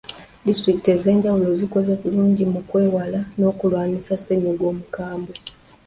Disitulikiti ez’enjawulo zikoze bulungi mu kwewala n’okulwanyisa ssenyiga omukambwe.